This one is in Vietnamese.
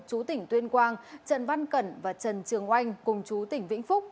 chú tỉnh tuyên quang trần văn cẩn và trần trường oanh cùng chú tỉnh vĩnh phúc